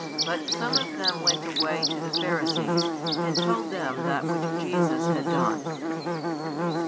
But some of them went away to the Pharisees, and told them that which Jesus had done.